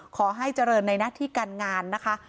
ขอให้เจริญในหน้าที่การงานนะคะ